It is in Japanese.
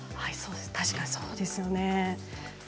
確かにそうですね。